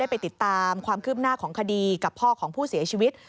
ไปติดตามความคืบหน้าของคดีกับพ่อของผู้เสียชีวิต